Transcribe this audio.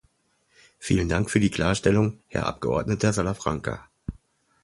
Vielen Dank für die Klarstellung, Herr Abgeordneter Salafranca.